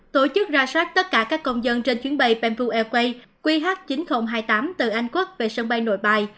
tổ chức ra soát tất cả các công dân trên chuyến bay pampoo airways qh chín nghìn hai mươi tám từ anh quốc về sân bay nội bài